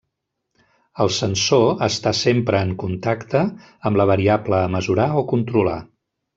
El sensor està sempre en contacte amb la variable a mesurar o controlar.